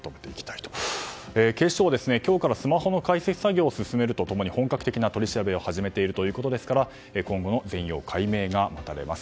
警視庁は今日からスマホの解析作業を進めると共に本格的な取り調べを始めているということですから今後の全容解明が待たれます。